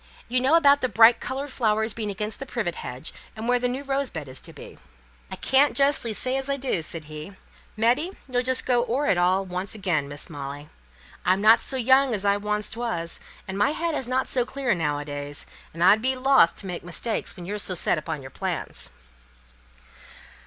"You know about the bright coloured flowers being against the privet hedge, and where the new rose bed is to be?" "I can't justly say as I do," said he. "Mebbe, you'll just go o'er it all once again, Miss Molly. I'm not so young as I oncst was, and my head is not so clear now a days, and I'd be loath to make mistakes when you're so set upon your plans."